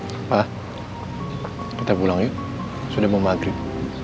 papa kita pulang yuk sudah mau maghrib